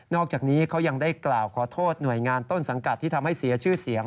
อกจากนี้เขายังได้กล่าวขอโทษหน่วยงานต้นสังกัดที่ทำให้เสียชื่อเสียง